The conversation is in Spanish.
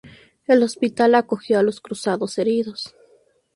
El hospital acogió a los cruzados heridos.